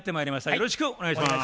よろしくお願いします。